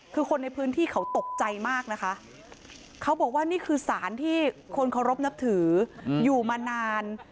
คือคนในพื้นที่เขาตกใจมากนะคะเขาบอกว่านี่คือสารที่คนเคารพนับถืออยู่มานาน